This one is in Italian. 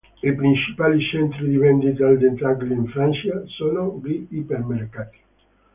I principali centri di vendita al dettaglio in Francia sono gli ipermercati.